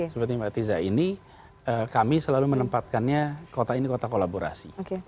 seperti mbak tiza ini kami selalu menempatkannya kota ini kota kolaborasi